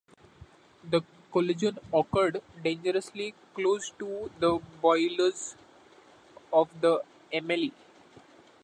The collision occurred dangerously close to the boilers of the "Emilie".